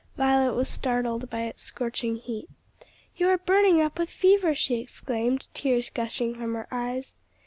Violet was startled by its scorching heat. "You are burning up with fever!" she exclaimed, tears gushing from her eyes.